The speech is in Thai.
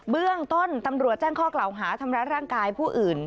เบื้องต้นตำรวจแจ้งข้อกล่าวหาทำร้ายร่างกายผู้อื่น